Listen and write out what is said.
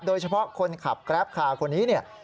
โดยเฉพาะคนขับแกรปคาร์คนนี้เนี่ย